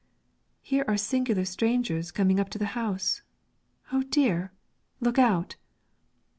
"Here are singular strangers coming up to the house; oh dear! look out!"